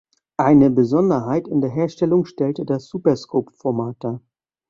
Eine Besonderheit in der Herstellung stellte das Superscope-Format dar.